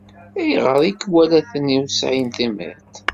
Ayɣer ikwalaten ur sɛin timiḍt?